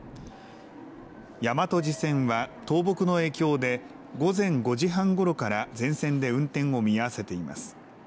大和路線は倒木の影響で午前５時半ごろから全線で運転を見合わせています。